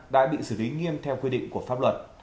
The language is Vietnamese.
đã bị xử lý nghiêm theo quy định của pháp luật